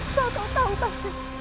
kalau kau tahu pak